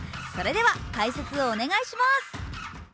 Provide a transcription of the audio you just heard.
それでは、解説をお願いします。